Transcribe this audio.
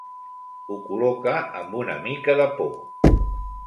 Ho col·loca amb una mica de por.